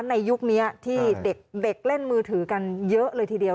ในยุคนี้ที่เด็กเล่นมือถือกันเยอะเลยทีเดียว